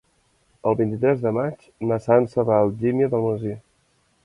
El vint-i-tres de maig na Sança va a Algímia d'Almonesir.